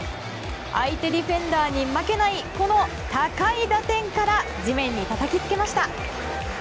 相手ディフェンダーに負けないこの高い打点から地面にたたきつけました。